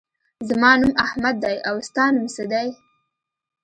زما نوم احمد دی. او ستا نوم څه دی؟